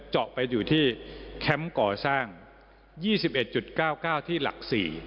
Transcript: เจาะไปอยู่ที่แคมป์ก่อสร้าง๒๑๙๙ที่หลัก๔